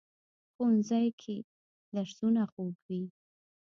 ښوونځی کې درسونه خوږ وي